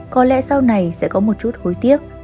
có lẽ sau này sẽ có một chút hối tiếc